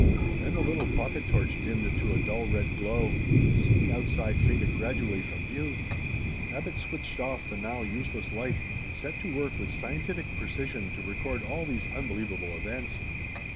Then the little pocket torch dimmed to a dull red glow, and the scene outside faded gradually from view. Abbot switched off the now useless light and set to work with scientific precision to record all these unbelievable events.